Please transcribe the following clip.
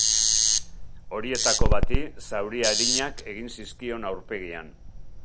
Horietako bati zauri arinak egin zizkion aurpegian.